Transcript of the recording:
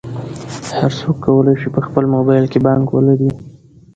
هر څوک کولی شي په خپل موبایل کې بانک ولري.